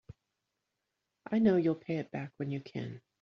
I know you'll pay it back when you can.